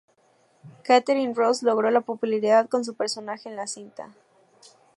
Katharine Ross logró la popularidad con su personaje en la cinta.